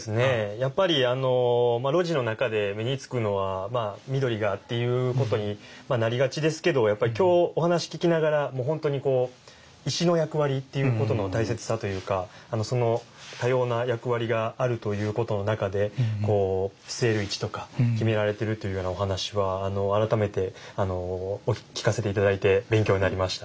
やっぱりあの露地の中で目につくのはまあ緑がっていうことになりがちですけどやっぱり今日お話聴きながらもう本当にこう石の役割っていうことの大切さというかその多様な役割があるということの中で据える位置とか決められているというようなお話は改めてお聴かせ頂いて勉強になりました。